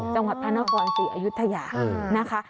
จังหวัดพระนครศรีอยุธยานะคะ